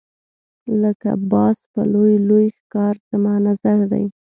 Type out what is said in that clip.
لکه باز په لوی لوی ښکار زما نظر دی.